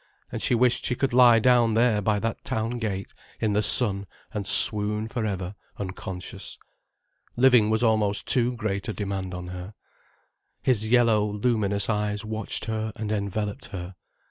And she wished she could lie down there by that town gate, in the sun, and swoon for ever unconscious. Living was almost too great a demand on her. His yellow, luminous eyes watched her and enveloped her.